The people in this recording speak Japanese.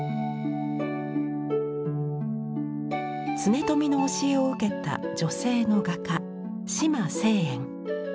恒富の教えを受けた女性の画家島成園。